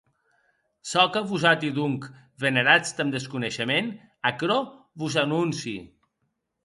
Çò que vosati, donc, veneratz damb desconeishement, aquerò vos anóncii.